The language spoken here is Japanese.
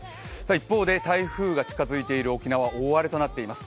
一方で台風が近づいている沖縄大荒れとなっています。